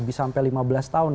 lebih sampai lima belas tahun